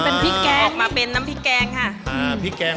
ออกมาเป็นน้ำพริกแกงค่ะ